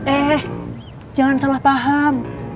eh jangan salah paham